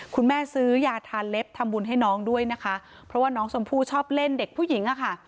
คุณแม่ซื้อยาทาเล็บทำบุญให้น้องด้วยนะคะเพราะว่าน้องชมพู่ชอบเล่นเด็กผู้หญิงอะค่ะ